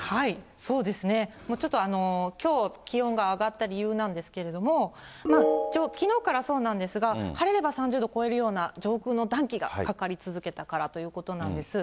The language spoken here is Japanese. そうですね、ちょっときょう、気温が上がった理由なんですけれども、きのうからそうなんですが、晴れれば３０度超えるような上空の暖気がかかり続けたからということなんです。